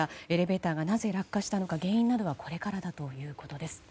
エレベーターがなぜ落下したのか原因などはこれからだということです。